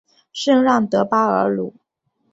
圣让德巴尔鲁。